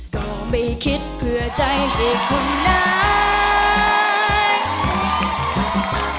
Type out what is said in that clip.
ก็ไม่คิดเพื่อใจเหตุผลนาย